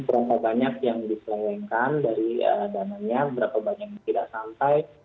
berapa banyak yang diselewengkan dari dananya berapa banyak yang tidak sampai